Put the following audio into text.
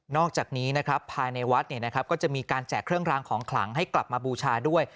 อกจากนี้นะครับภายในวัดก็จะมีการแจกเครื่องรางของขลังให้กลับมาบูชาด้วย